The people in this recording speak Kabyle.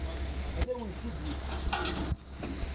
Ad awent-t-id-ifek.